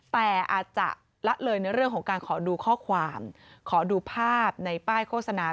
แต่อาจจะละเลยในเรื่องของการขอดูข้อความขอดูภาพในป้ายโฆษณา